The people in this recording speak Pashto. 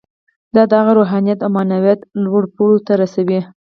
دا هغه د روحانیت او معنویت لوړو پوړیو ته رسوي